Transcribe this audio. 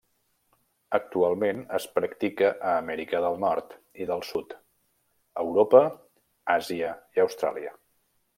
Actualment es practica a Amèrica del Nord i del Sud, Europa, Àsia i Austràlia.